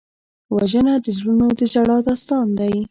وژنه د زړونو د ژړا داستان دی